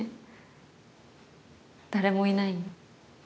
誰もいない。